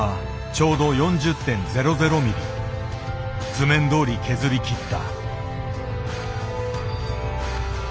図面どおり削りきった。